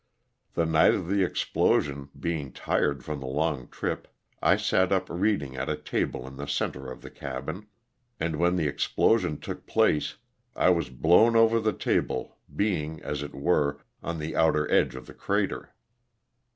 The night of the explosion, being tired from the long trip, I sat up reading at a table in the center of the cabin, and when the explosion took place I was blown over the table being, as it were, on the outer edge of the crater.